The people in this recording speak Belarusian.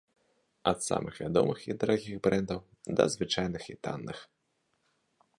Ад самых вядомых і дарагіх брэндаў да звычайных і танных.